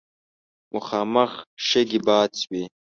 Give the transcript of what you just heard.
مخامخ شګې باد شوې.